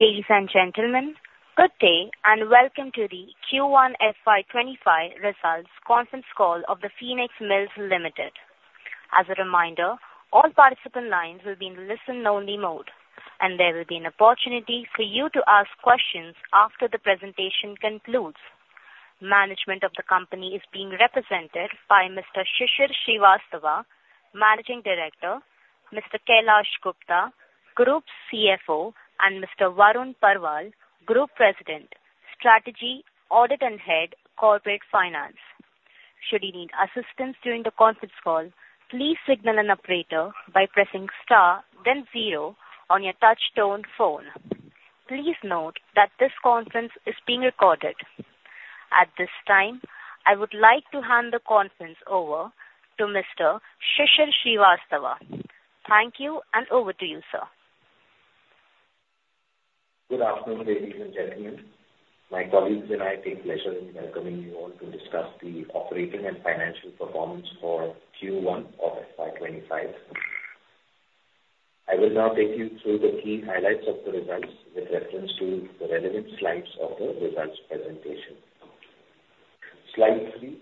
Ladies and gentlemen, good day, and welcome to the Q1 FY25 results conference call of The Phoenix Mills Limited. As a reminder, all participant lines will be in listen-only mode, and there will be an opportunity for you to ask questions after the presentation concludes. Management of the company is being represented by Mr. Shishir Shrivastava, Managing Director, Mr. Kailash Gupta, Group CFO, and Mr. Varun Parwal, Group President, Strategy, Audit, and Head, Corporate Finance. Should you need assistance during the conference call, please signal an operator by pressing star then zero on your touchtone phone. Please note that this conference is being recorded. At this time, I would like to hand the conference over to Mr. Shishir Shrivastava. Thank you, and over to you, sir. Good afternoon, ladies and gentlemen. My colleagues and I take pleasure in welcoming you all to discuss the operating and financial performance for Q1 of FY 2025. I will now take you through the key highlights of the results with reference to the relevant slides of the results presentation. Slide three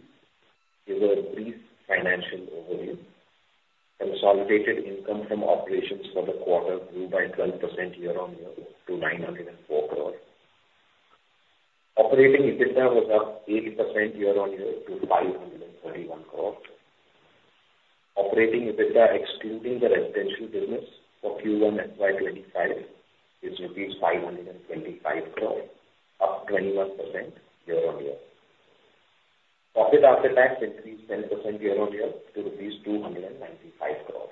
gives a brief financial overview. Consolidated income from operations for the quarter grew by 12% year-on-year to 904 crore. Operating EBITDA was up 8% year-on-year to 531 crore. Operating EBITDA, excluding the residential business for Q1 FY 2025, is 525 crore, up 21% year-on-year. Profit after tax increased 10% year-on-year to INR 295 crore.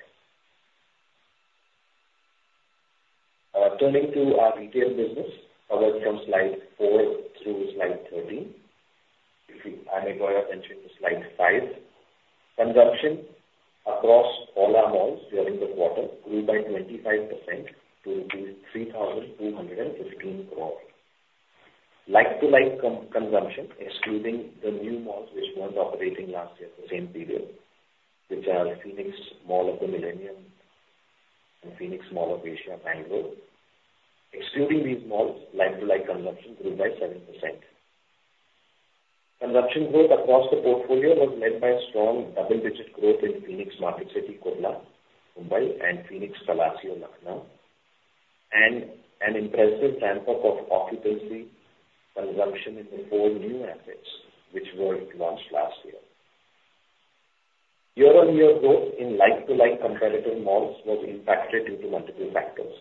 Turning to our retail business, covered from slide four through slide 13. If I may draw your attention to slide five. Consumption across all our malls during the quarter grew by 25% to rupees 3,215 crore. Like-to-like consumption, excluding the new malls which weren't operating last year the same period, which are Phoenix Mall of the Millennium and Phoenix Mall of Asia, Bangalore. Excluding these malls, like-to-like consumption grew by 7%. Consumption growth across the portfolio was led by strong double-digit growth in Phoenix Marketcity, Kurla, Mumbai, and Phoenix Palassio, Lucknow, and an impressive ramp-up of occupancy consumption in the four new assets which were launched last year. Year-on-year growth in like-to-like comparator malls was impacted due to multiple factors.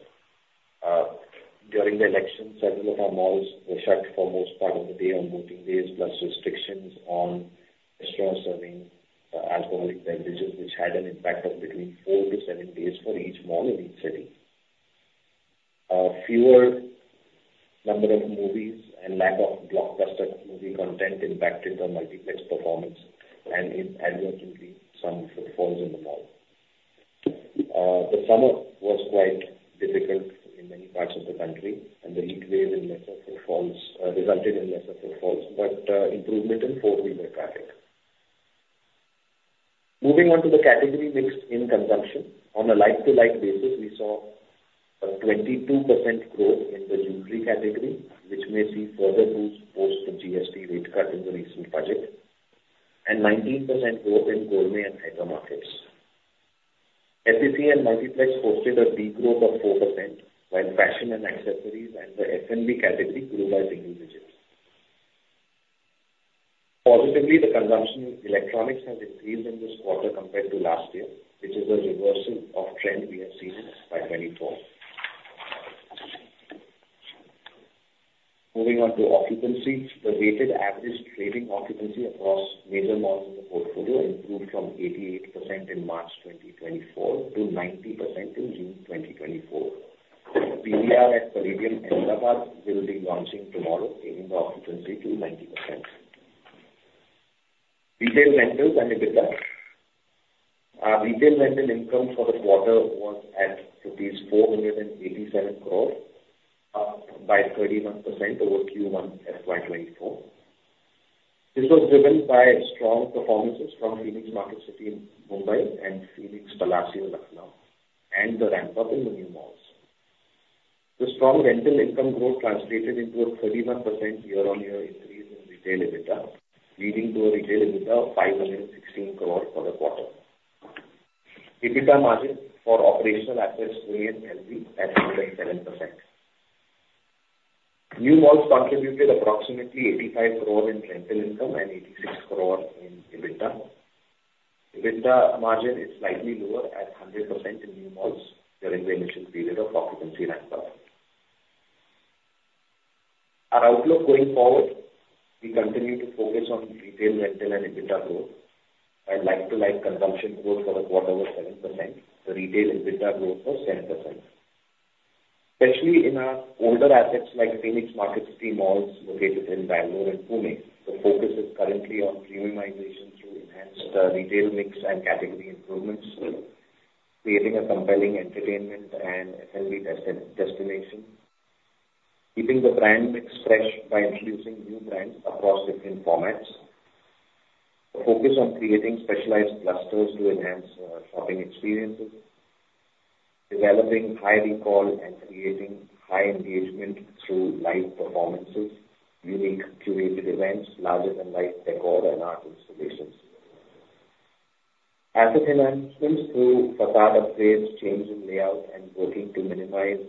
During the elections, several of our malls were shut for most part of the day on voting days, plus restrictions on restaurants serving alcoholic beverages, which had an impact of between 4-7 days for each mall in each city. Fewer number of movies and lack of blockbuster movie content impacted the multiplex performance and inadvertently, some footfalls in the mall. The summer was quite difficult in many parts of the country, and the heat wave in lesser footfalls resulted in lesser footfalls, but improvement in four-wheeler traffic. Moving on to the category mix in consumption. On a like-to-like basis, we saw a 22% growth in the jewelry category, which may see further boost post the GST rate cut in the recent budget, and 19% growth in gourmet and hypermarkets. FEC and multiplex posted a weak growth of 4%, while fashion and accessories and the F&B category grew by single digits. Positively, the consumption in electronics has increased in this quarter compared to last year, which is a reversal of trend we have seen in FY 2024. Moving on to occupancy. The weighted average trading occupancy across major malls in the portfolio improved from 88% in March 2024 to 90% in June 2024. PVR at Palladium, Ahmedabad, will be launching tomorrow, aiming the occupancy to 90%. Retail rentals and EBITDA. Our retail rental income for the quarter was at rupees 487 crore, up by 31% over Q1 FY 2024. This was driven by strong performances from Phoenix Marketcity in Mumbai and Phoenix Palassio, Lucknow, and the ramp-up in the new malls. The strong rental income growth translated into a 31% year-on-year increase in retail EBITDA, leading to a retail EBITDA of 516 crore for the quarter. EBITDA margin for operational assets remained healthy at 107%. New malls contributed approximately 85 crore in rental income and 86 crore in EBITDA. EBITDA margin is slightly lower at 100% in new malls during the initial period of occupancy ramp-up. Our outlook going forward, we continue to focus on retail rental and EBITDA growth. Our like-to-like consumption growth for the quarter was 7%. The retail EBITDA growth was 10%. Especially in our older assets, like Phoenix Marketcity malls located in Bangalore and Pune, the focus is currently on premiumization through enhanced retail mix and category improvements, creating a compelling entertainment and F&B destination, keeping the brand mix fresh by introducing new brands across different formats. The focus on creating specialized clusters to enhance shopping experiences, developing high recall and creating high engagement through live performances, unique curated events, larger-than-life decor and art installations. Asset enhancements through facade upgrades, change in layout, and working to minimize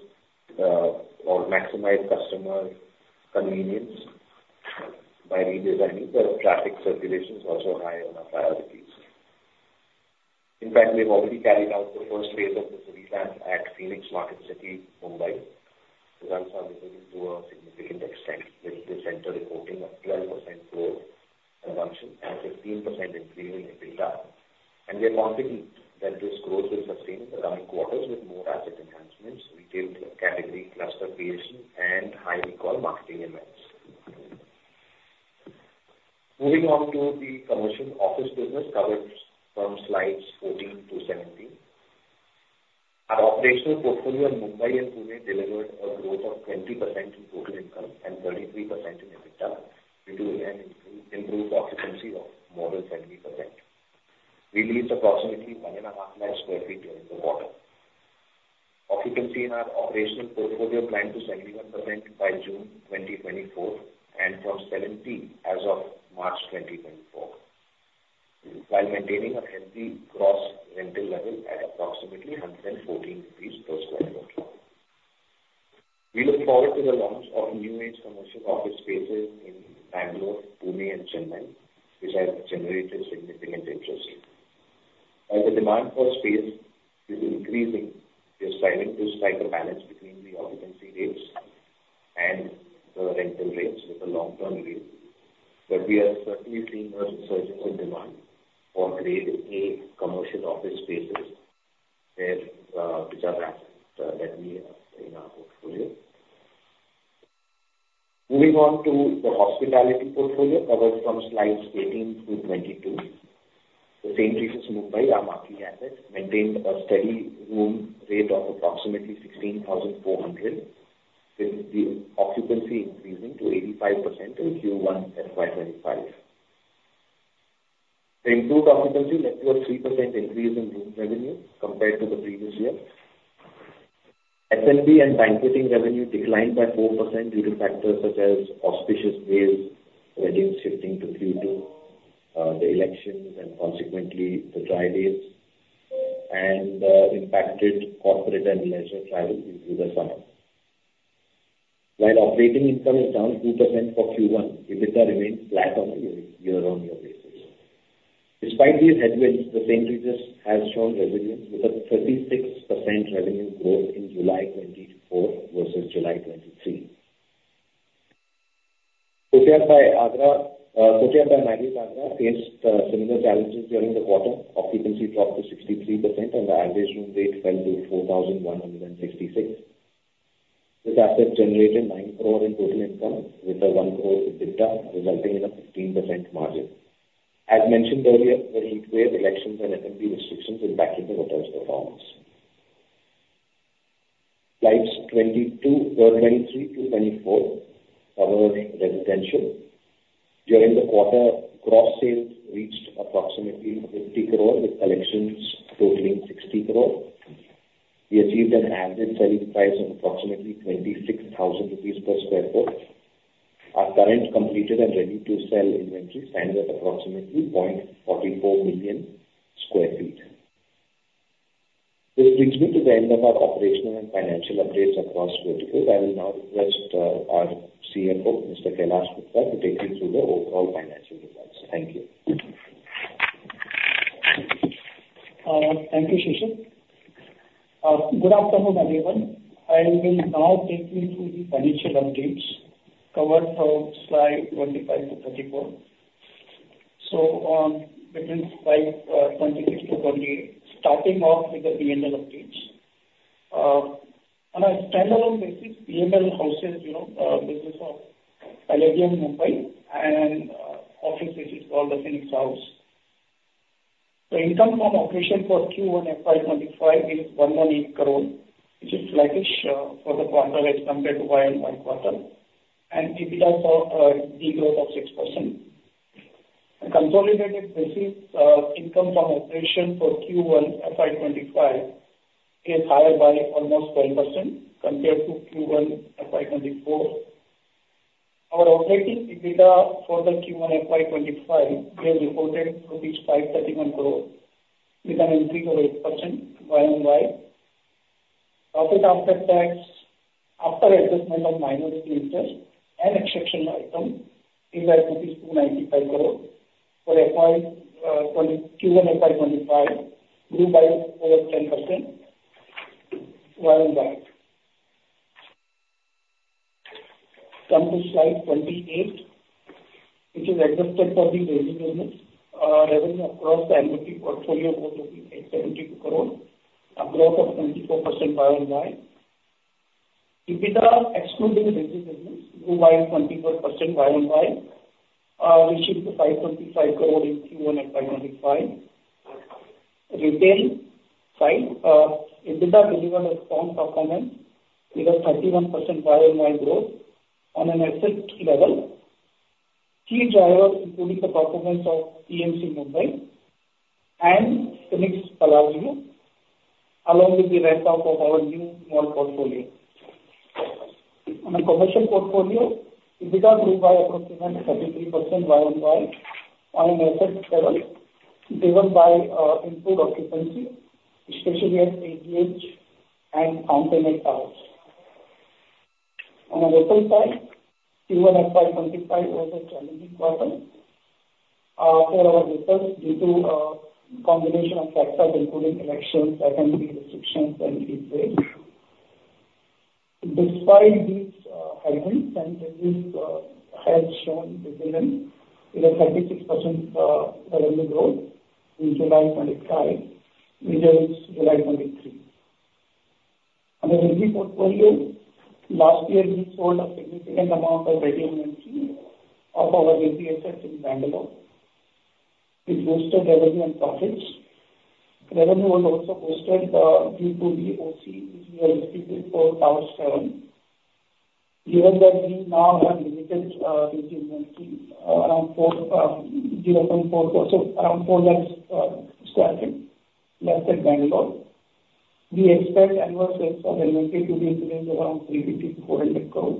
or maximize customer convenience by redesigning the traffic circulation is also high on our priorities. In fact, we've already carried out the first phase of this revamp at Phoenix Marketcity, Mumbai. Results are looking to a significant extent, with the center reporting a 12% growth in sales and 15% increase in EBITDA. We are confident that this growth will sustain the coming quarters with more asset enhancements, retail category, cluster creation, and high recall marketing events. Moving on to the commercial office business covered from slides 14 to 17. Our operational portfolio in Mumbai and Pune delivered a growth of 20% in total income and 33% in EBITDA, due to an improved occupancy of more than 70%. We leased approximately 150,000 sq ft during the quarter. Occupancy in our operational portfolio climbed to 71% by June 2024, up from 70% as of March 2024, while maintaining a healthy gross rental level at approximately 114 rupees per sq ft. We look forward to the launch of new age commercial office spaces in Bangalore, Pune, and Chennai, which have generated significant interest. As the demand for space is increasing, we are striving to strike a balance between the occupancy rates and the rental rates with the long-term view. But we are certainly seeing a resurgence in demand for Grade A commercial office spaces where, which are vacant, that we have in our portfolio. Moving on to the hospitality portfolio, covered from slides 18-22. The St. Regis Mumbai, our marquee asset, maintained a steady room rate of approximately 16,400, with the occupancy increasing to 85% in Q1 FY 2025. The improved occupancy led to a 3% increase in room revenue compared to the previous year. F&B and banqueting revenue declined by 4% due to factors such as auspicious days, weddings shifting to Q2, the elections, and consequently, the dry days, and impacted corporate and leisure travel through the summer. While operating income is down 2% for Q1, EBITDA remains flat on a year-on-year basis. Despite these headwinds, the St. Regis has shown resilience with a 36% revenue growth in July 2024 versus July 2023. Courtyard by Marriott Agra faced similar challenges during the quarter. Occupancy dropped to 63%, and the average room rate fell to 4,166. This asset generated 9 crore in total income with a 1 crore EBITDA, resulting in a 15% margin. As mentioned earlier, the heat wave, elections, and F&B restrictions impacted the hotel's performance. Slides 22, 23 to 24, cover residential. During the quarter, gross sales reached approximately 50 crore, with collections totaling 60 crore. We achieved an average selling price of approximately 26,000 rupees per sq ft. Our current completed and ready-to-sell inventory stands at approximately 0.44 million sq ft. This brings me to the end of our operational and financial updates across verticals. I will now request, our CFO, Mr. Kailash Gupta, to take you through the overall financial results. Thank you. Thank you, Shishir. Good afternoon, everyone. I will now take you through the financial updates covered from slide 25 to 34. So, between slide 26 to 28, starting off with the P&L updates. On a standalone basis, P&L houses, you know, business of Palladium Mumbai and office, which is called The Phoenix House. The income from operation for Q1 FY2025 is 118 crore, which is flattish for the quarter as compared to YoY quarter, and EBITDA saw a degrowth of 6%. On a consolidated basis, income from operation for Q1 FY2025 is higher by almost 10% compared to Q1 FY2024. Our operating EBITDA for Q1 FY2025, we have reported INR 531 crore, with an increase of 8% YoY. Profit after tax, after adjustment of minority interest and exceptional item is at INR 295 crore for FY24 Q1 FY25, grew by over 10% Y on Y. Come to slide 28, which is adjusted for resi business. Revenue across the annuity portfolio was 872 crore, a growth of 24% Y on Y. EBITDA, excluding the residential business, grew by 24% Y on Y, reaching INR 525 crore in Q1 FY25. Retail side, EBITDA delivered a strong performance with a 31% YoY growth on an asset key level. Key drivers including the performance of PMC Mumbai and Phoenix Palassio, along with the ramp-up of our new mall portfolio. On a commercial portfolio, EBITDA grew by approximately 33% YoY on an asset level, driven by improved occupancy, especially at AGH and The Centrium. On the retail side, Q1 FY25 was a challenging quarter for our retailers due to a combination of factors including elections, F&B restrictions, and heatwave. Despite these headwinds, and retail has shown resilience with a 36% revenue growth in July 2024 versus July 2023. On the retail portfolio, last year, we sold a significant amount of resi inventory of our resi assets in Bangalore, which boosted revenue and profits. Revenue was also boosted due to the OC, which we are expecting for Tower 7. Given that we now have limited resi inventory around 4.04, so around 4 lakh sq ft left at Bangalore. We expect annual sales of residential inventory to be increased around INR 3 billion to INR 400 crore.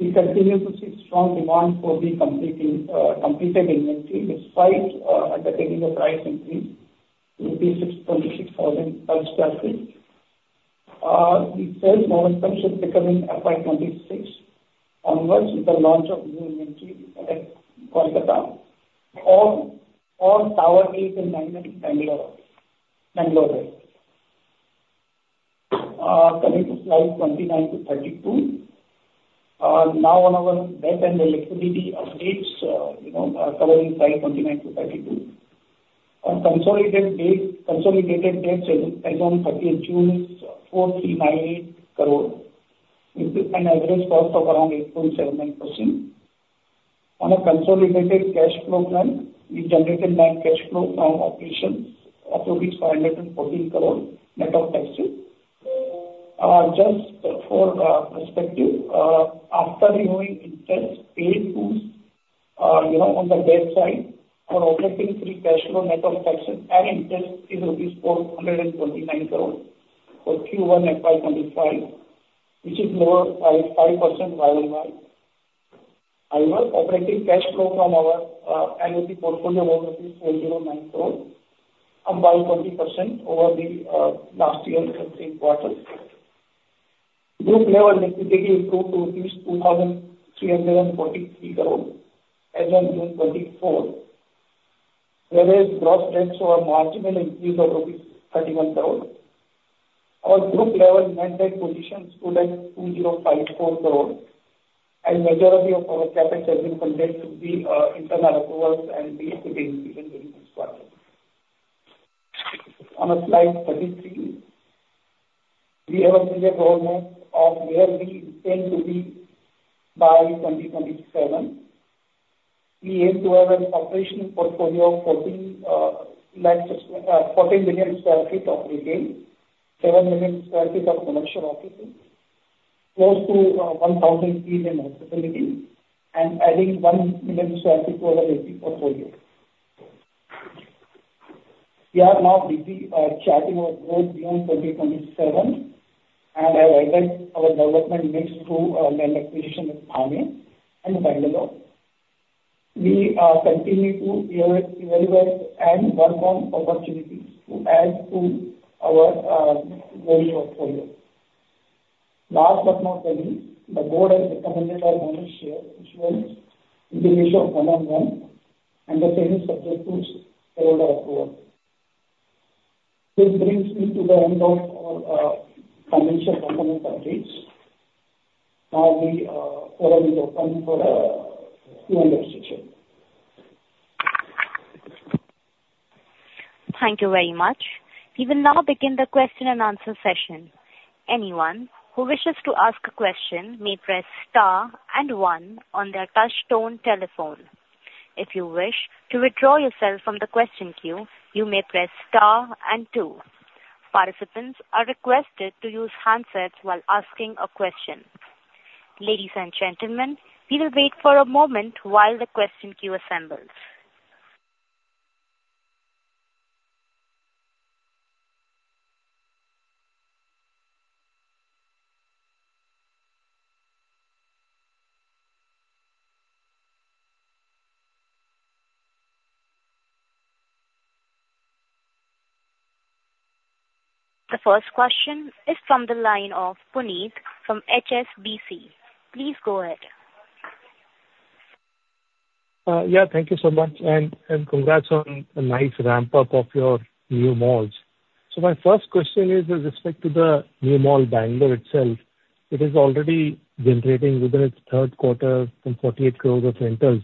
We continue to see strong demand for the completed inventory despite a little bit of price increase, 6.6 thousand per sq ft. The sales momentum should pick up in FY26 onwards with the launch of new inventory at Kolkata or Tower 8 in Bangalore there. Coming to slide 29 to 32. Now on our debt and liquidity updates, you know, are covering slide 29 to 32. On consolidated debt, consolidated debt as on 30 June 2024, INR 4,398 crore, with an average cost of around 8.79%. On a consolidated cash flow basis, we generated net cash flow from operations of 514 crore net of taxes. Just for perspective, after removing interest paid to, you know, on the debt side, our operating free cash flow net of taxes and interest is INR 429 crore for Q1 FY25, which is lower by 5% YoY. However, operating cash flow from our annuity portfolio was INR 409 crore, up by 20% over the last year's same quarter. Group level liquidity improved to 2,343 crore as on June 2024, whereas gross rents were marginally increased by INR 31 crore. Our group level net debt position stood at INR 2,054 crore, and majority of our capital has been funded through internal accruals and this will be increased in this quarter. On slide 33, we have a clear roadmap of where we intend to be by 2027. We aim to have an operational portfolio of 14 million sq ft of retail, 7 million sq ft of commercial offices, close to 1,000 seats in hospitality, and adding 1 million sq ft to our resi portfolio. We are now busy charting our growth beyond 2027, and have identified our development mix through land acquisition in Thane and Bangalore. We continue to evaluate and work on opportunities to add to our retail portfolio. Last but not least, the board has recommended our bonus share issuance in the ratio of 1:1, and the same is subject to shareholder approval. This brings me to the end of our financial component updates. Now the floor is open for Q&A session. Thank you very much. We will now begin the question and answer session. Anyone who wishes to ask a question may press star and one on their touchtone telephone. If you wish to withdraw yourself from the question queue, you may press star and two. Participants are requested to use handsets while asking a question. Ladies and gentlemen, we will wait for a moment while the question queue assembles. The first question is from the line of Puneet from HSBC. Please go ahead. Yeah, thank you so much, and congrats on a nice ramp-up of your new malls. So my first question is with respect to the new mall, Bangalore itself. It is already generating within its third quarter some 48 crores of rentals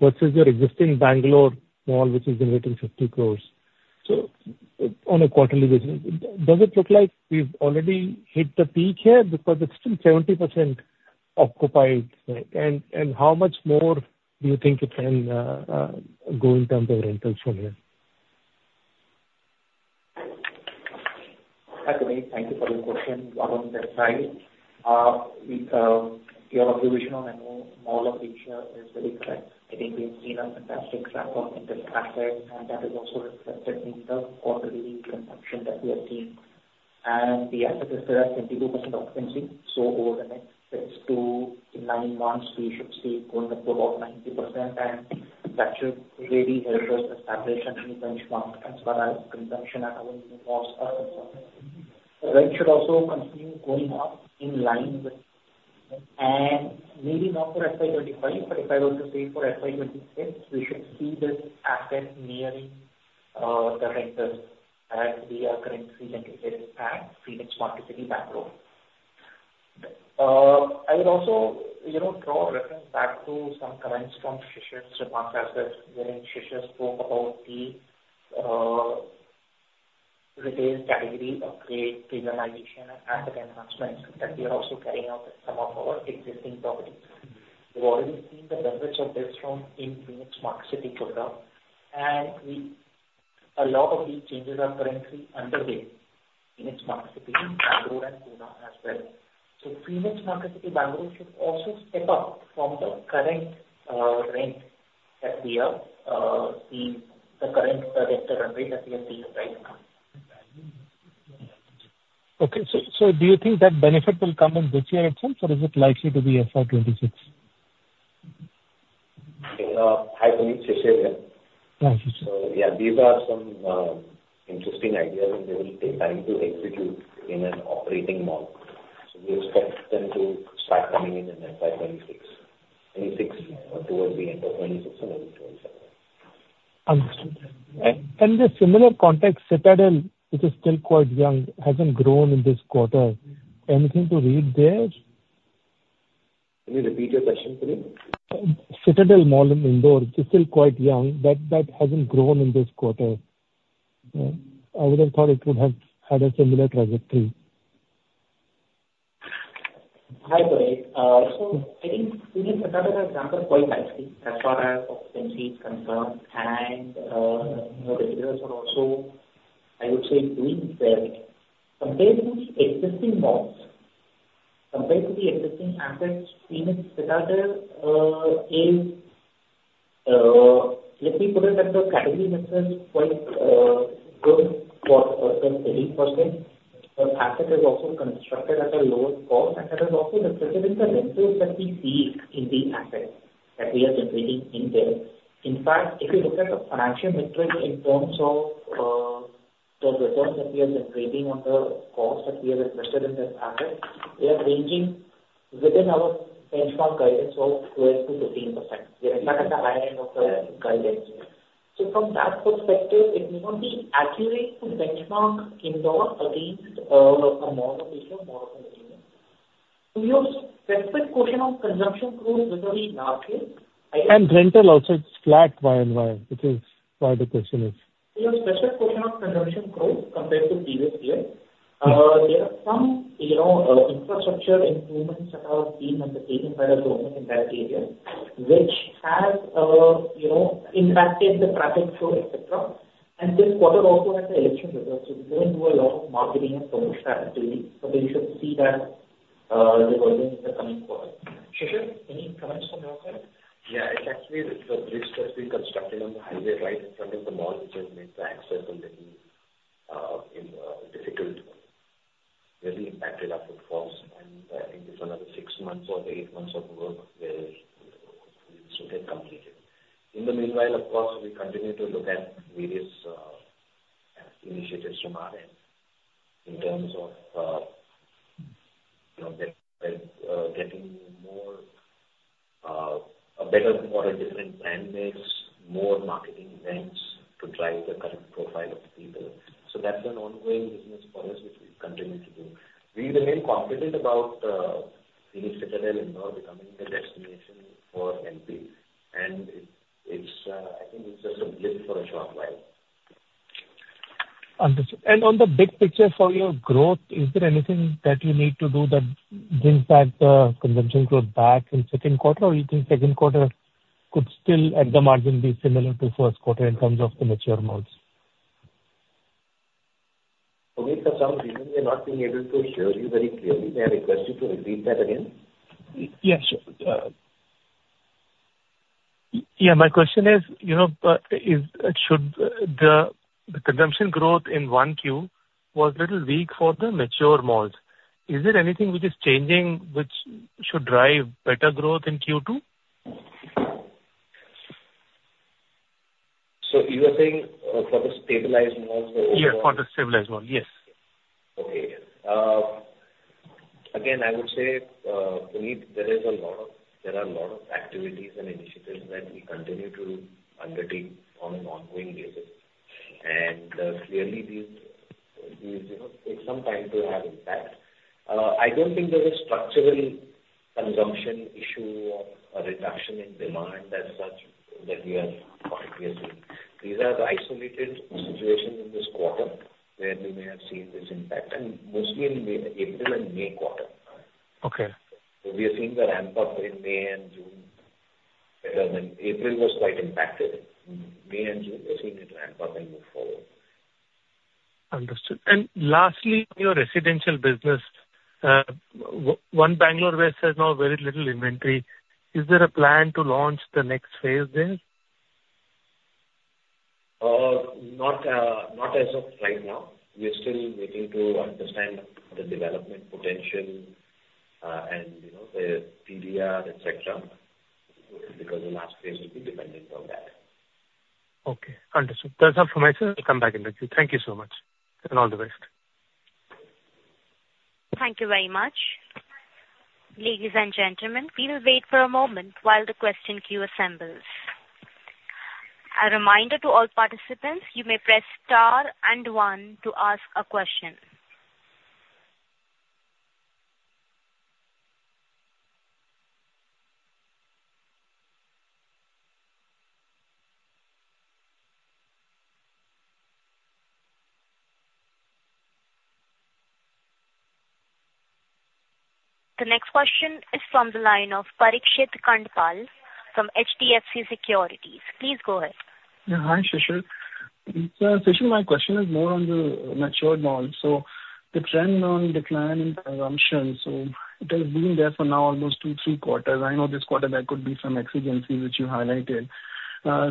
versus your existing Bangalore mall, which is generating 50 crores. So on a quarterly basis, does it look like we've already hit the peak here? Because it's still 70% occupied, and how much more do you think it can go in terms of rentals from here? Hi, Puneet. Thank you for the question. Welcome back, guys. We, your observation on our Mall of Asia is very correct. I think we've seen a fantastic ramp up in this asset, and that is also reflected in the quarterly consumption that we are seeing. And the asset is at 22% occupancy, so over the next to nine months, we should see going up to about 90%, and that should really help us establish a new benchmark as far as consumption at our new malls are concerned. Rent should also continue going up in line with, and maybe not for FY 2025, but if I were to say for FY 2026, we should see this asset nearing, the rentals as we are currently seeing it at Phoenix Marketcity, Bangalore. I would also, you know, draw a reference back to some comments from Shishir Shrivastava, as well, wherein Shishir spoke about the retail category upgrade, visualization, and the enhancements that we are also carrying out in some of our existing properties. We've already seen the benefits of this from Phoenix Marketcity, Kurla, and we, a lot of these changes are currently underway in Phoenix Marketcity, Bangalore and Pune as well. So Phoenix Marketcity, Bangalore, should also step up from the current rent that we are seeing, the current rental runway that we are seeing right now. Okay. So, so do you think that benefit will come in this year itself, or is it likely to be FY 2026? Hi, Puneet, Shishir here. Hi, Shishir. So, yeah, these are some interesting ideas, and they will take time to execute in an operating model. So we expect them to start coming in in FY 2026, FY 2026 or towards the end of 2026 or 2027. Understood. And in the similar context, Citadel, which is still quite young, hasn't grown in this quarter. Anything to read there? Can you repeat your question, Puneet? Phoenix Citadel in Indore is still quite young, but that hasn't grown in this quarter. I would have thought it would have had a similar trajectory. Hi, Puneet. So I think we need another example, quite likely, as far as occupancy is concerned. You know, the retailers are also, I would say, doing well. Compared to the existing malls, compared to the existing assets in Citadel, let me put it that the category mix is quite good for 10%-20%. The asset is also constructed at a lower cost, and that is also reflected in the rentals that we see in the asset that we are generating in there. In fact, if you look at the financial metrics in terms of the returns that we are generating on the cost that we have invested in this asset, we are ranging within our benchmark guidance of 12%-13%. We are at the high end of the guidance. So from that perspective, it may not be accurate to benchmark Indore against, our Mall of Asia, Phoenix Mall of the Millennium. We have specific question on consumption growth, which are largely- Rental also, it's flat Y on Y, which is why the question is. We have special question on consumption growth compared to previous year. There are some, you know, infrastructure improvements that are being undertaken by the government in that area, which has, you know, impacted the traffic flow, et cetera. And this quarter also has the election results. So we don't do a lot of marketing and promotion activity, but we should see that reversing in the coming quarter. Shishir, any comments from your side? Yeah, it's actually the bridge that's been constructed on the highway right in front of the mall, which has made the access a little difficult, really impacted our footfalls. I think it's another six months or eight months of work where it should get completed. In the meanwhile, of course, we continue to look at various initiatives from our end in terms of, you know, getting more a better model, different brand mix, more marketing events to drive the current profile of the people. That's an ongoing business for us, which we continue to do. We remain confident about Phoenix Citadel in Indore becoming a destination for MP, and it's, I think it's just a blip for a short while. Understood. On the big picture for your growth, is there anything that you need to do that brings back the consumption growth back in second quarter, or you think second quarter could still, at the margin, be similar to first quarter in terms of the mature malls? Puneet, for some reason, we are not being able to hear you very clearly. May I request you to repeat that again? Yes, sure. Yeah, my question is, you know, is the consumption growth in Q1 was a little weak for the mature malls. Is there anything which is changing, which should drive better growth in Q2? So you are saying, for the stabilized malls overall? Yeah, for the stabilized mall, yes. Okay. Again, I would say, Puneet, there is a lot of, there are a lot of activities and initiatives that we continue to undertake on an ongoing basis. Clearly, these, these, you know, take some time to have impact. I don't think there's a structural consumption issue or a reduction in demand as such that we are quite seeing. These are the isolated situation in this quarter, where we may have seen this impact, and mostly in May, April and May quarter. Okay. So we are seeing the ramp up in May and June, rather than April was quite impacted. May and June, we're seeing it ramp up and move forward. Understood. And lastly, your residential business, One Bangalore West has now very little inventory. Is there a plan to launch the next phase there? Not as of right now. We are still waiting to understand the development potential, and you know, the TDR, et cetera, because the last phase will be dependent on that. Okay, understood. That's all from my side. I'll come back in the queue. Thank you so much, and all the best. Thank you very much. Ladies and gentlemen, we will wait for a moment while the question queue assembles. A reminder to all participants, you may press star and one to ask a question. The next question is from the line of Parikshit Kandpal from HDFC Securities. Please go ahead. Yeah, hi, Shishir. So, Shishir, my question is more on the mature malls. So the trend on decline in consumption, so it has been there for now almost two, three quarters. I know this quarter there could be some exigencies which you highlighted.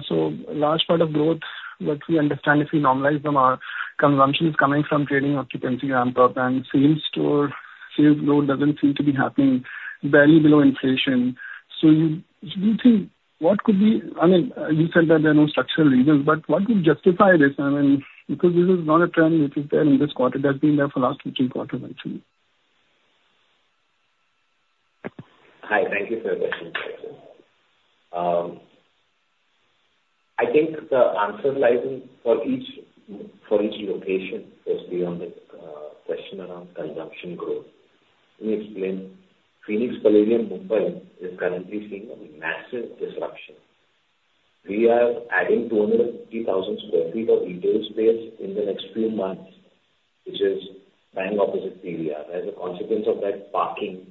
So large part of growth, what we understand, if we normalize them, are consumption is coming from trading occupancy ramp up and same store. Same growth doesn't seem to be happening, barely below inflation. So you, do you think what could be, I mean, you said that there are no structural reasons, but what would justify this? I mean, because this is not a trend, which is there in this quarter. That's been there for last two, three quarters, actually. Hi, thank you for your question. I think the answer lies in for each, for each location, especially on the question around consumption growth. Let me explain. Phoenix Palladium, Mumbai, is currently seeing a massive disruption. We are adding 250,000 sq ft of retail space in the next few months, which is bang opposite PVR. As a consequence of that, parking,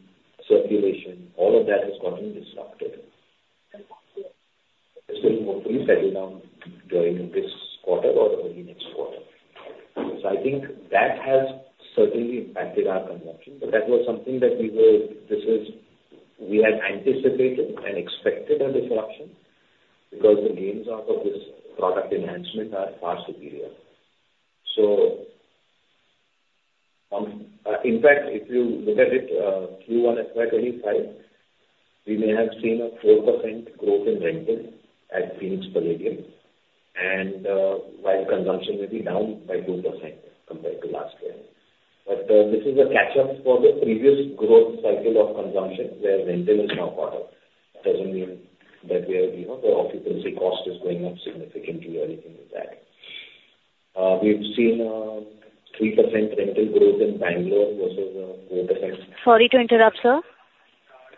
circulation, all of that has gotten disrupted. This will hopefully settle down during this quarter or early next quarter. So I think that has certainly impacted our consumption, but that was something that we were—this is, we had anticipated and expected a disruption because the gains out of this product enhancement are far superior. So, in fact, if you look at it, Q1 FY25, we may have seen a 4% growth in rental at Phoenix Palladium, and while consumption may be down by 2% compared to last year. But this is a catch-up for the previous growth cycle of consumption, where rental is now caught up. It doesn't mean that we are, you know, the occupancy cost is going up significantly or anything like that. We've seen a 3% rental growth in Bangalore versus four percent- Sorry to interrupt, sir.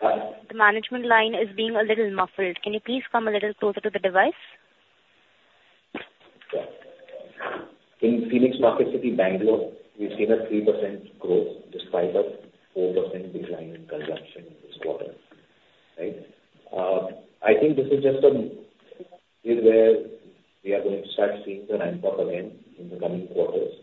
Uh? The management line is being a little muffled. Can you please come a little closer to the device? Sure. In Phoenix Marketcity, Bangalore, we've seen a 3% growth, despite a 4% decline in consumption this quarter. Right? I think this is just a phase where we are going to start seeing the ramp up again in the coming quarters.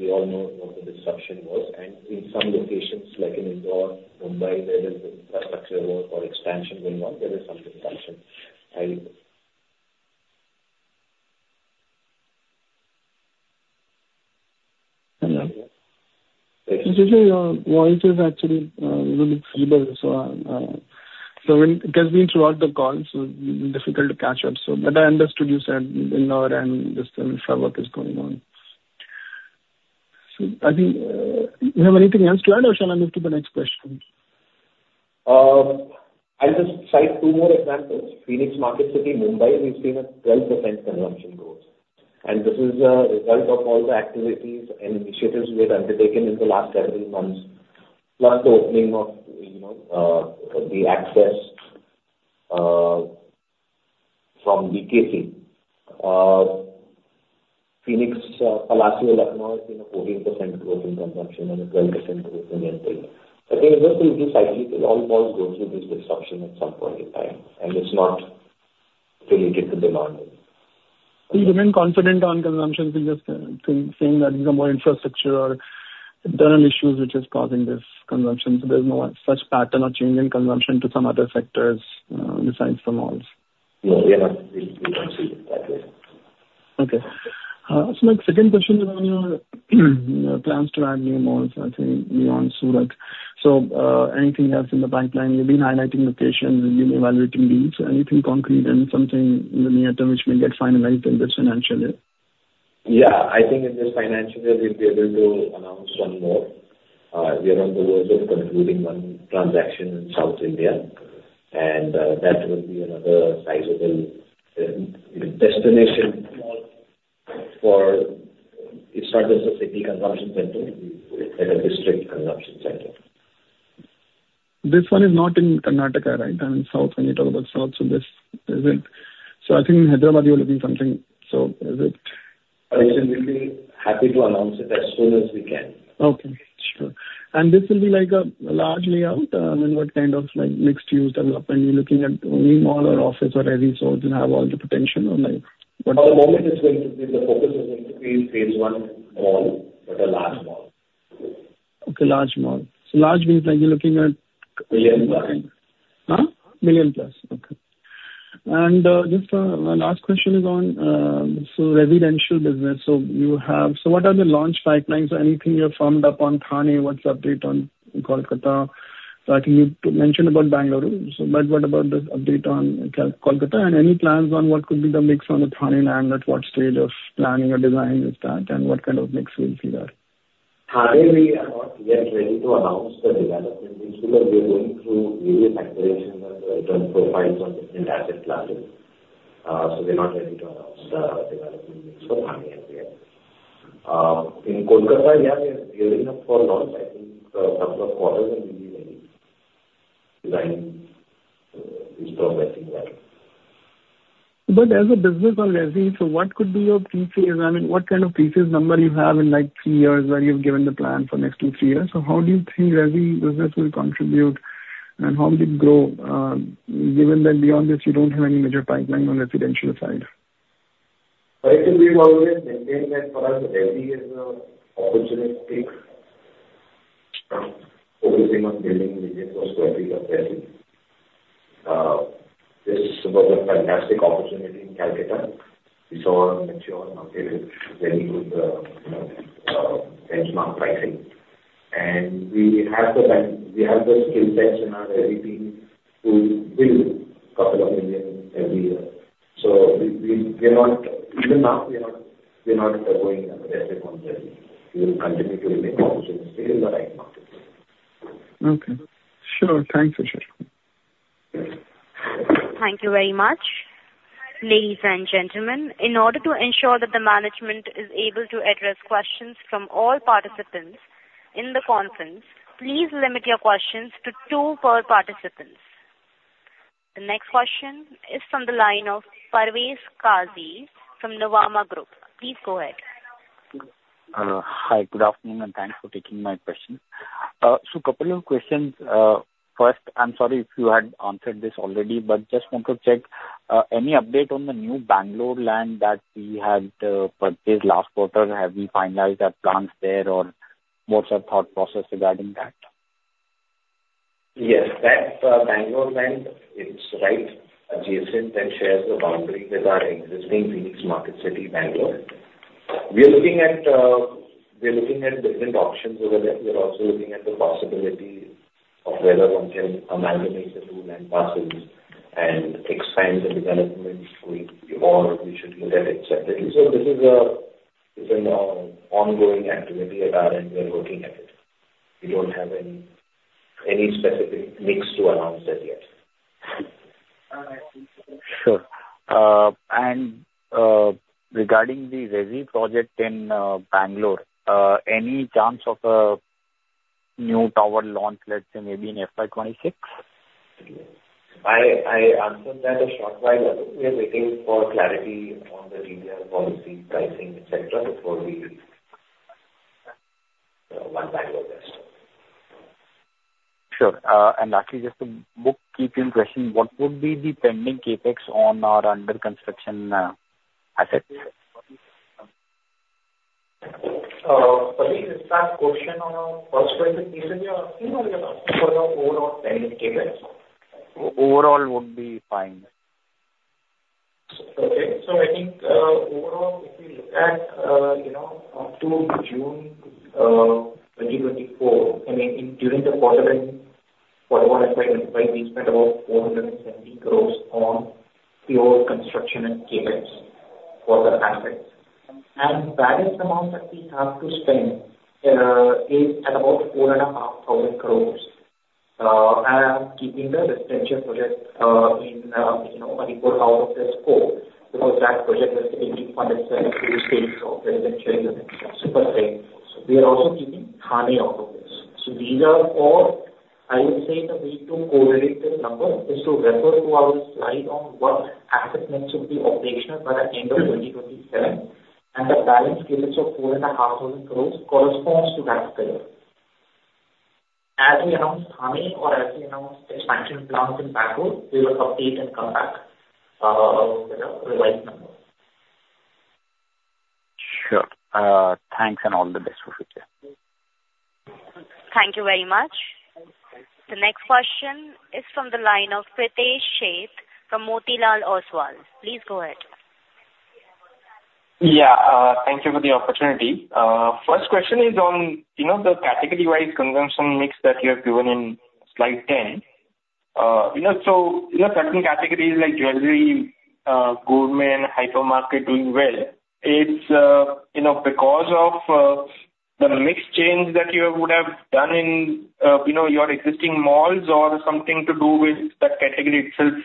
We all know what the disruption was, and in some locations, like in Indore, Mumbai, where there's infrastructure work or expansion going on, there is some disruption and- Hello. Shishir, your voice is actually little feeble, so it has been throughout the call, so it's been difficult to catch up. But I understood you said on our end, this infrastructure work is going on. So I think you have anything else to add, or shall I move to the next question? I'll just cite two more examples. Phoenix Marketcity, Mumbai, we've seen a 12% consumption growth, and this is a result of all the activities and initiatives we have undertaken in the last several months, plus the opening of, you know, the access from BKC. Phoenix Palassio, Lucknow, has been a 14% growth in consumption and a 12% growth in rental. Again, this is cyclical. All malls go through this disruption at some point in time, and it's not related to demand. So you remain confident on consumption, because seeing that more infrastructure or internal issues which is causing this consumption. So there's no such pattern or change in consumption to some other sectors, besides the malls? No, we are not, we don't see it that way. Okay. So my second question is on your, your plans to add new malls, I think, beyond Surat. So, anything else in the pipeline? You've been highlighting locations, you've been evaluating leads. Anything concrete and something in the near term, which may get finalized in this financial year? Yeah, I think in this financial year, we'll be able to announce one more. We are on the verge of concluding one transaction in South India, and that will be another sizable destination mall for... It starts as a city consumption center and a district consumption center. ... This one is not in Karnataka, right? I mean, south, when you talk about south, so this, is it? So I think in Hyderabad you're looking something, so is it? I said we'll be happy to announce it as soon as we can. Okay, sure. This will be like a large layout? I mean, what kind of, like, mixed-use development you're looking at, only mall or office or resi, so it can have all the potential, or like, what? For the moment, it's going to be, the focus is going to be phase one mall, but a large mall. Okay, large mall. So large means like you're looking at- Million plus. Huh? Million plus. Okay. And just my last question is on so residential business. So you have... So what are the launch pipelines or anything you have firmed up on Thane? What's the update on Kolkata? So I think you mentioned about Bengaluru, so but what about the update on Kolkata, and any plans on what could be the mix on the Thane land? At what stage of planning or design is that, and what kind of mix we'll see there? Thane, we are not yet ready to announce the development mix because we are going through various iterations and return profiles on different asset classes. So we're not ready to announce the development mix for Thane as yet. In Kolkata, yeah, we are gearing up for launch. I think a couple of quarters, and we'll be ready. Designing is progressing well. But as a business on resi, so what could be your pre-phase? I mean, what kind of pre-phase number you have in, like, three years, where you've given the plan for next two, three years? So how do you think resi business will contribute, and how will it grow, given that beyond this you don't have any major pipeline on residential side? Well, I think we've always maintained that for us, resi is a opportunistic, focusing on building 1 million+ sq ft of resi. This was a fantastic opportunity in Kolkata. We saw a mature market with very good, you know, benchmark pricing. And we have the skill sets in our resi team to build couple of million every year. So we're not... Even now, we are not avoiding the resi concept. We will continue to remain opportunistic in the right markets. Okay. Sure. Thanks, Parikshit. Thank you very much. Ladies and gentlemen, in order to ensure that the management is able to address questions from all participants in the conference, please limit your questions to two per participant. The next question is from the line of Parvez Qazi from Nuvama Group. Please go ahead. Hi, good afternoon, and thanks for taking my question. So couple of questions. First, I'm sorry if you had answered this already, but just want to check, any update on the new Bangalore land that we had, purchased last quarter? Have we finalized our plans there, or what's our thought process regarding that? Yes, that Bangalore land is right adjacent and shares a boundary with our existing Phoenix Marketcity, Bangalore. We are looking at, we are looking at different options over there. We are also looking at the possibility of whether one can amalgamate the two land parcels and expand the development going forward, we should look at et cetera. So this is a, this is an ongoing activity of ours, and we are working at it. We don't have any, any specific mix to announce as yet. Sure. And, regarding the resi project in Bangalore, any chance of a new tower launch, let's say maybe in FY 26? I answered that a short while ago. We are waiting for clarity on the RERA policy, pricing, et cetera, before we go one level best. Sure. Actually, just to bookmark your question, what would be the pending CapEx on our under construction assets? Parvez, is that question on a per-project basis you are asking, or you're asking for our overall pending CapEx? Overall would be fine. Okay. So I think, overall, if we look at, you know, up to June 2024, I mean, during the quarter and quarter one and quarter two, we spent about 470 crore on pure construction and CapEx for the assets. And balance amount that we have to spend is at about 4,500 crore. And keeping the residential project, in, you know, out of the scope, because that project is completely funded through sales of residential units. So we are also keeping Thane out of this. So these are all, I would say, the way to correlate this number is to refer to our slide on what assets needs to be operational by the end of 2027, and the balance CapEx of 4,500 crore corresponds to that period. As we announce Thane or as we announce expansion plans in Bangalore, we will update and come back, with a revised number. Sure. Thanks and all the best for future. Thank you very much. The next question is from the line of Pritesh Sheth from Motilal Oswal. Please go ahead. Yeah. Thank you for the opportunity. First question is on, you know, the category-wise consumption mix that you have given in slide 10. You know, so, you know, certain categories like jewelry, gourmet and hypermarket doing well, it's, you know, because of, the mix change that you would have done in, you know, your existing malls or something to do with that category itself?...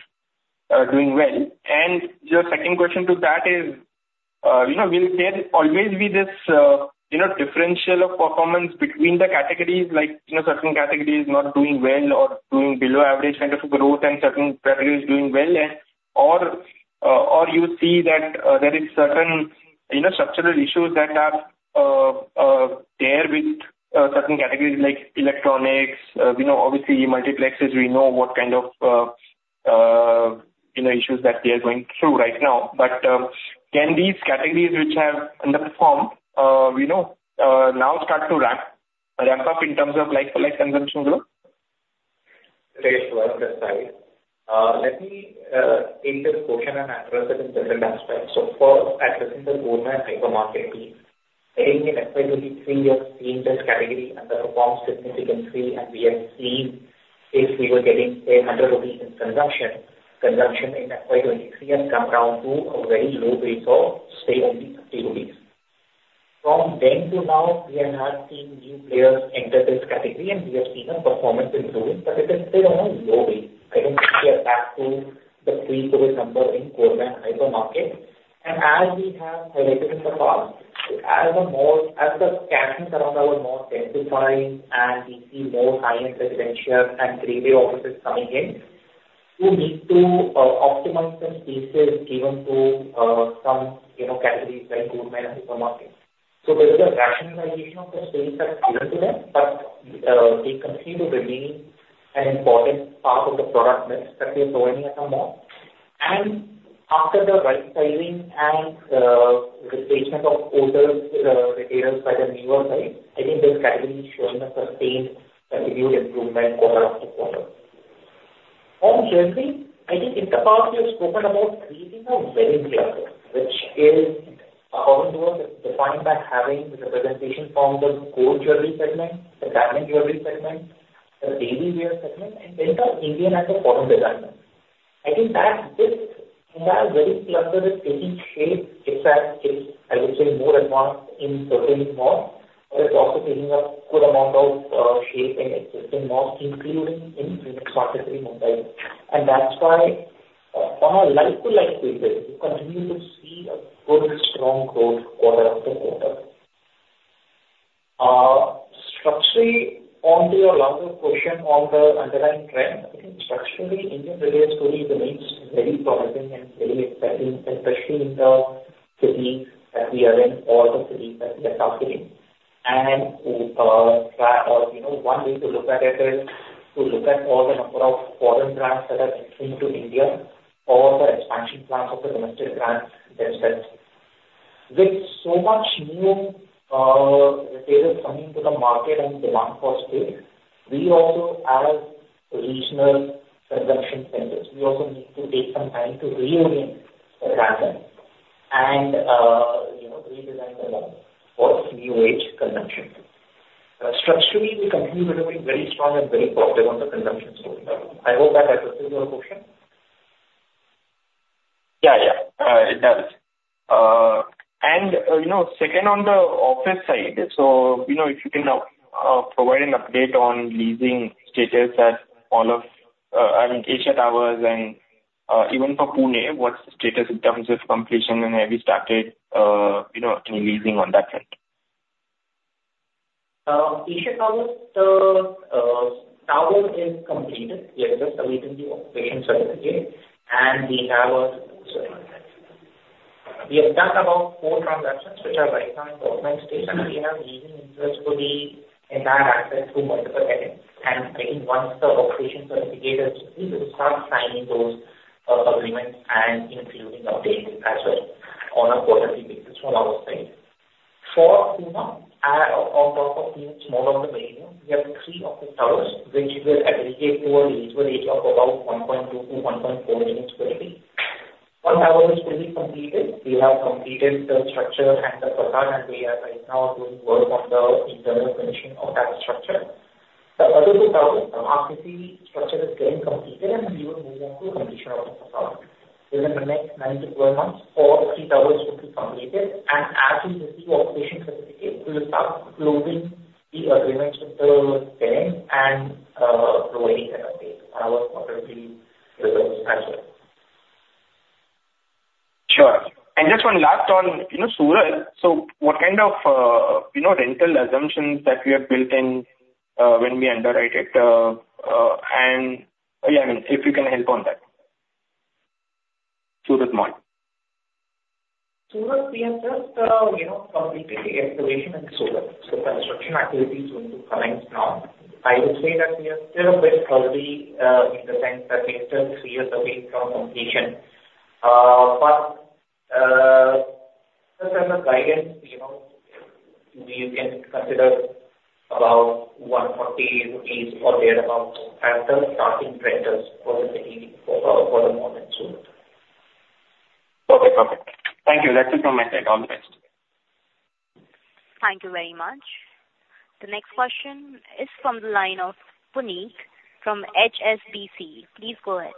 doing well? And your second question to that is, you know, will there always be this, you know, differential of performance between the categories, like, you know, certain categories not doing well or doing below average kind of growth and certain categories doing well? And or, or you see that, there is certain, you know, structural issues that are, there with, certain categories like electronics. We know obviously multiplexes, we know what kind of, you know, issues that they are going through right now. But, can these categories which have underperformed, we know, now start to ramp, ramp up in terms of like-for-like consumption growth? Thanks for that, Sir. Let me take this question and address it in different aspects. So first, addressing the gourmet hypermarket, in FY 2023, we have seen this category underperform significantly, and we have seen if we were getting 100 rupees in consumption, consumption in FY 2023 has come down to a very low base of, say, only 50. From then to now, we have not seen new players enter this category, and we have seen the performance improving, but it is still on a low base. I think we are back to the pre-COVID number in gourmet hypermarket. As we have highlighted in the past, as our malls, as the catchment around our malls intensify and we see more high-end residential and Grade A offices coming in, we need to optimize the spaces given to some, you know, categories like gourmet and hypermarket. There is a rationalization of the space that's given to them, but they continue to remain an important part of the product mix that we are growing at the mall. After the right sizing and replacement of older retailers by the newer side, I think this category is showing a sustained continued improvement quarter after quarter. On jewelry, I think in the past we have spoken about creating a wedding cluster, which is according to us, defined by having the representation from the gold jewelry segment, the diamond jewelry segment, the daily wear segment, and then the Indian and the foreign designer. I think that this, our wedding cluster is taking shape, in fact, it's, I would say, more advanced in certain malls, but it's also taking a good amount of shape in existing malls, including in Phoenix Marketcity, Mumbai. And that's why, on a like-to-like basis, we continue to see a good, strong growth quarter after quarter. Structurally, on to your longer question on the underlying trend, I think structurally, Indian jewelry story remains very promising and very exciting, especially in the cities that we are in, all the cities that we are operating. And, you know, one way to look at it is to look at all the number of foreign brands that are entering into India or the expansion plans of the domestic brands themselves. With so much new retailers coming to the market and demand for space, we also have regional consumption centers. We also need to take some time to reorient the pattern and, you know, redesign the mall for new age consumption. Structurally, we continue to be very strong and very positive on the consumption story. I hope that I answered your question. Yeah, yeah. It does. You know, second on the office side, so, you know, if you can provide an update on leasing status at all of, I mean, Asia Towers and even for Pune, what's the status in terms of completion, and have you started, you know, any leasing on that front? Asia Towers, the tower is completed. We are just awaiting the occupation certificate, and we have two circles. We have talked about four transactions which are right now in the advanced stage, and we have leasing interest for the entire asset through multiple tenants. I think once the occupation certificate is received, we will start signing those agreements and including updates as well on a quarterly basis from our side. For Pune, on top of Phoenix Mall of the Millennium, we have three office towers which will aggregate to a leasable area of about 1.2-1.4 million sq ft. One tower is fully completed. We have completed the structure and the facade, and we are right now doing work on the internal finishing of that structure. The other two towers, the RCC structure is getting completed, and we will move on to the finishing of the tower. Within the next 9-12 months, all three towers will be completed, and as we receive Occupation Certificate, we will start closing the agreements with the tenants and providing an update on our quarterly results as well. Sure. And just one last on, you know, Surat. So what kind of, you know, rental assumptions that we have built in, when we underwrite it? And, yeah, I mean, if you can help on that. Surat Mall. Surat, we have just, you know, completed the excavation in Surat, so construction activities are going to commence now. I would say that we are still a bit early, in the sense that we are still three years away from completion. But, just as a guidance, you know, you can consider about 140 rupees or thereabout as the starting rentals for the city, for, for the moment Surat. Okay, perfect. Thank you. That's it from my side. All the best. Thank you very much. The next question is from the line of Puneet from HSBC. Please go ahead....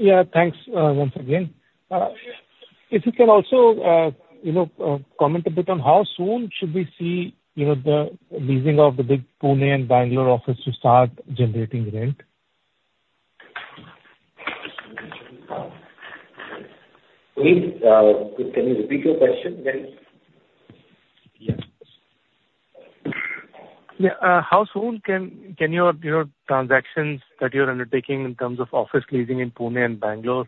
Yeah, thanks once again. If you can also, you know, comment a bit on how soon should we see, you know, the leasing of the big Pune and Bangalore office to start generating rent? Please, can you repeat your question again? Yes. Yeah, how soon can your transactions that you're undertaking in terms of office leasing in Pune and Bangalore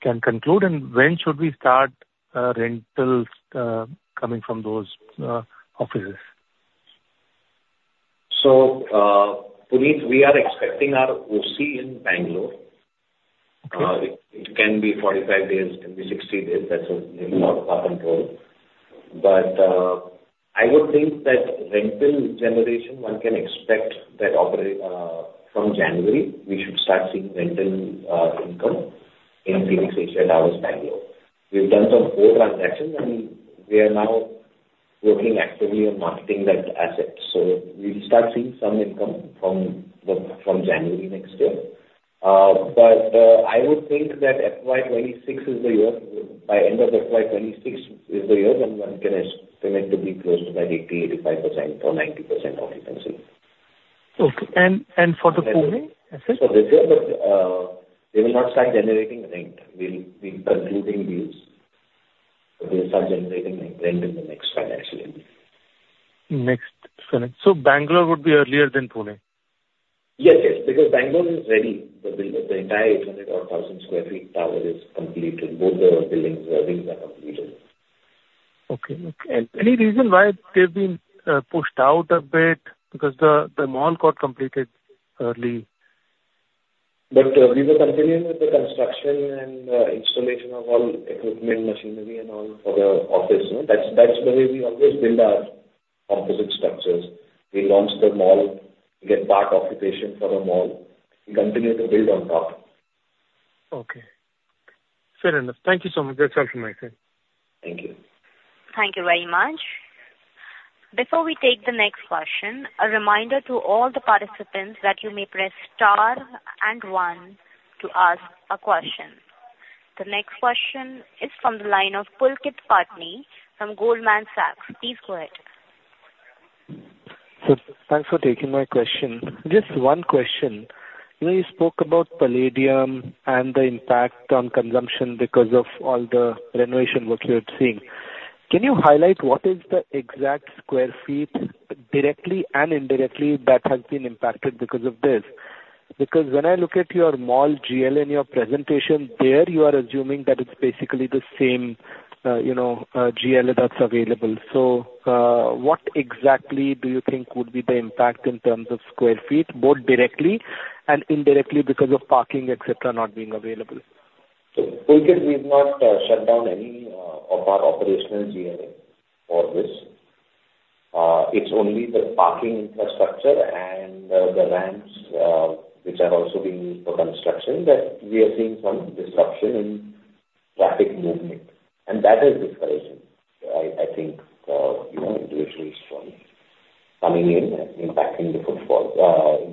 conclude, and when should we start rentals coming from those offices? So, Puneet, we are expecting our OC in Bangalore. It can be 45 days, it can be 60 days, that's not our control. But I would think that rental generation, one can expect that from January, we should start seeing rental income in Phoenix Asia Towers, Bangalore. We've done some four transactions, and we are now working actively on marketing that asset. So we'll start seeing some income from the, from January next year. But I would think that FY 2026 is the year, by end of FY 2026 is the year when one can estimate to be close to by 80-85% or 90% occupancy. Okay. And for the Pune asset? They say that they will not start generating rent. We're concluding deals. They'll start generating rent in the next financial year. Next finance... So Bangalore would be earlier than Pune? Yes, yes, because Bangalore is ready. The entire 800 or 1,000 sq ft tower is completed. Both the buildings, wings are completed. Okay. Okay. And any reason why they've been pushed out a bit? Because the mall got completed early. We were continuing with the construction and installation of all equipment, machinery and all for the office, you know? That's the way we always build our composite structures. We launch the mall, we get part occupation for the mall. We continue to build on top. Okay. Fair enough. Thank you so much. That's helpful, my friend. Thank you. Thank you very much. Before we take the next question, a reminder to all the participants that you may press star and 1 to ask a question. The next question is from the line of Pulkit Patni from Goldman Sachs. Please go ahead. Thanks for taking my question. Just one question. You know, you spoke about Palladium and the impact on consumption because of all the renovation work you're seeing. Can you highlight what is the exact sq ft, directly and indirectly, that has been impacted because of this? Because when I look at your mall GLA in your presentation, there you are assuming that it's basically the same, you know, GLA that's available. What exactly do you think would be the impact in terms of sq ft, both directly and indirectly, because of parking, et cetera, not being available? So Pulkit, we've not shut down any of our operational GLA for this. It's only the parking infrastructure and the ramps, which are also being used for construction, that we are seeing some disruption in traffic movement, and that is the reason, I think, you know, infrastructure work, coming in and impacting the footfall, impacting the consumption.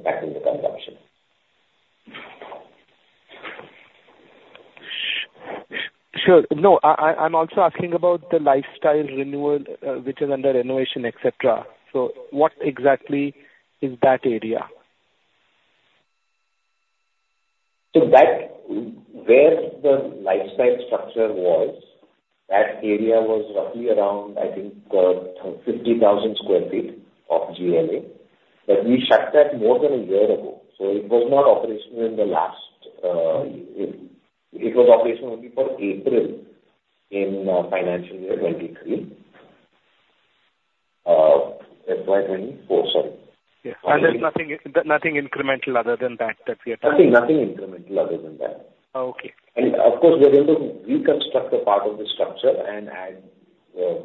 Sure. No, I, I'm also asking about the lifestyle renewal, which is under renovation, et cetera. So what exactly is that area? So that, where the lifestyle structure was, that area was roughly around, I think, 50,000 sq ft of GLA. But we shut that more than a year ago, so it was not operational in the last. It was operational only for April in financial year 2023. FY 2024, sorry. Yeah. And there's nothing incremental other than that that we are talking? Nothing, nothing incremental other than that. Oh, okay. And of course, we are going to reconstruct a part of the structure and add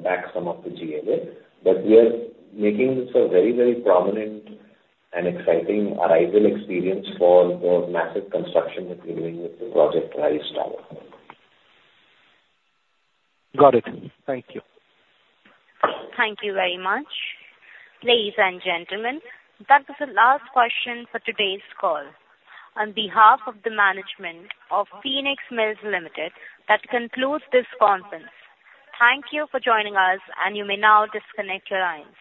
back some of the GLA. But we are making this a very, very prominent and exciting arrival experience for the massive construction that we're doing with the Project Rise Tower. Got it. Thank you. Thank you very much. Ladies and gentlemen, that was the last question for today's call. On behalf of the management of Phoenix Mills Limited, that concludes this conference. Thank you for joining us, and you may now disconnect your lines.